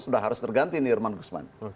sudah harus terganti ini irman gusman